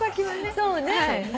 そうね。